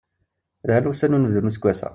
Lhan wussan n unebdu n useggas-a.